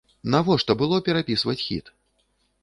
Навошта было перапісваць хіт?